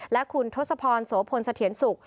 และคุณทศพรโสพลเสถียรสุข